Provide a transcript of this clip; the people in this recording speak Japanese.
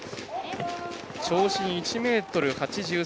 長身１ｍ８３ｃｍ。